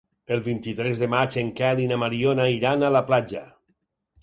El vint-i-tres de maig en Quel i na Mariona iran a la platja.